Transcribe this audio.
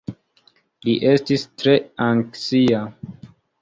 Li estis tre anksia.